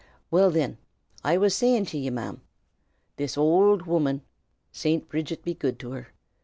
Well, thin, I was sayin' to ye, ma'm, this owld woman (Saint Bridget be good to her!)